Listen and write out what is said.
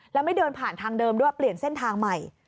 แล้วไม่เดินผ่านทางเดิมด้วยเปลี่ยนเส้นทางใหม่